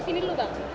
ke sini dulu bang